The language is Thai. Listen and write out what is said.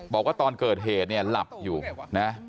บอกว่าตอนเกิดเหตุเนี่ยหลับอยู่นะ